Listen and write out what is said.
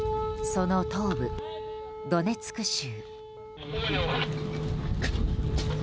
その東部、ドネツク州。